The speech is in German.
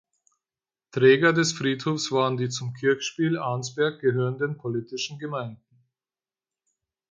Träger des Friedhofs waren die zum Kirchspiel Arnsberg gehörenden politischen Gemeinden.